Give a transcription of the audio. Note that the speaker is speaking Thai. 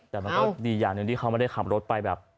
แต่มันก็ดีอย่างหนึ่งที่เขาไม่ได้ขับรถไปแบบ